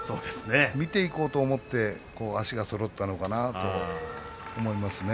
見ていこうと思って足がそろったのかなと思いますね。